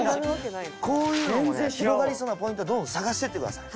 こういうのもね広がりそうなポイントをどんどん探していってください。